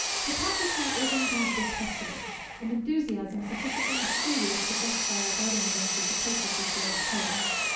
Hypocrisy is indeed detestable, and enthusiasm sufficiently mischievous to justify our guarding against its approaches with jealous care.